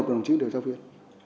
đồng chí điều tra viên